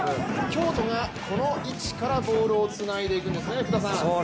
京都がこの位置からボールをつないでいくんですね。